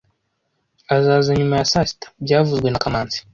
Azaza nyuma ya saa sita byavuzwe na kamanzi